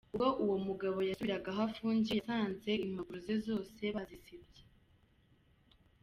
Ubwo uwo mugabo yasubiraga aho afungiye, yasanze impapuro ze zose bazibye.